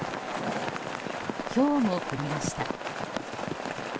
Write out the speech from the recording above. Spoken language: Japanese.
ひょうも降りました。